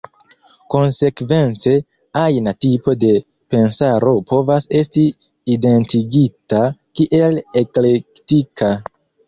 Konsekvence, ajna tipo de pensaro povas esti identigita kiel eklektika.